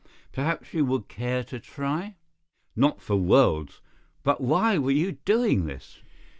Perhaps you would care to try?" "Not for worlds. But why were you doing this?"